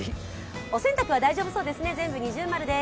お洗濯は大丈夫そうですね、全部◎です。